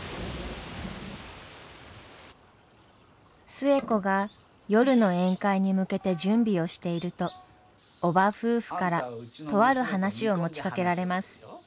寿恵子が夜の宴会に向けて準備をしていると叔母夫婦からとある話を持ちかけられます。